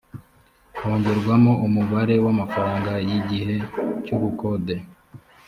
hongerwamo umubare w’amafaranga y’igihe cy’ubukode